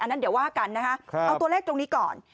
นั้นเดี๋ยวว่ากันนะคะเอาตัวเลขตรงนี้ก่อน